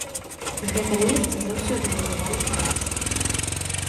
Гэта месца заўсёды называлі палац.